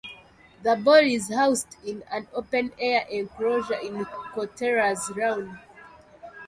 The ball is housed in an open-air enclosure in Kotera's lawn.